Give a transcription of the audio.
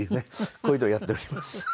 こういうのをやっております。